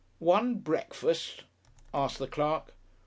"One breakfast?" asked the clerk.